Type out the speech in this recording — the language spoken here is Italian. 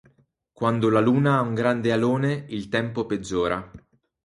Quando la luna ha un grande alone, il tempo peggiora.